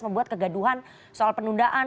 membuat kegaduhan soal penundaan